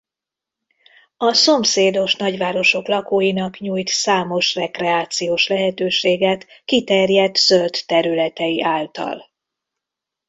A szomszédos nagyvárosok lakóinak nyújt számos rekreációs lehetőséget kiterjedt zöld területei által.